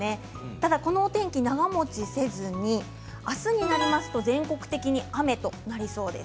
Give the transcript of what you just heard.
ただこのお天気長もちせずに明日になりますと全国的に雨となりそうです。